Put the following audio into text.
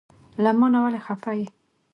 له مانه ولې خفه یی؟